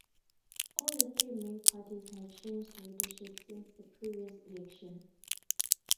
All the three main parties had changed leadership since the previous election.